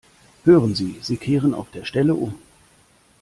Hören Sie, Sie kehren auf der Stelle um!